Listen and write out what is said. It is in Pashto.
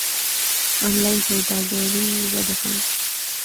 انلاین سوداګري وده کوي.